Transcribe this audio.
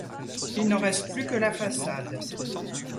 Il n'en reste plus que la façade.